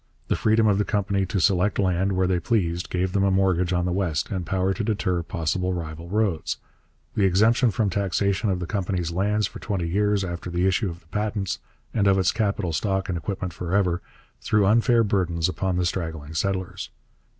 The freedom of the company to select land where they pleased gave them a mortgage on the West and power to deter possible rival roads. The exemption from taxation of the company's lands for twenty years after the issue of the patents, and of its capital stock and equipment for ever, threw unfair burdens upon the straggling settlers.